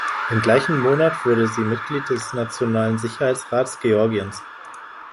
Im gleichen Monat wurde sie Mitglied des Nationalen Sicherheitsrats Georgiens.